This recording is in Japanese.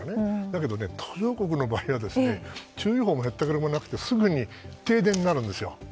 だけど、途上国の場合は注意報もへったくれもなくてすぐに停電になるんですよ。